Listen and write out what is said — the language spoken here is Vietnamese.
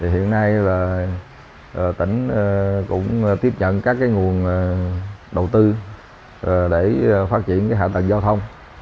hiện nay là tỉnh cũng tiếp nhận các nguồn đầu tư để phát triển hạ tầng giao thông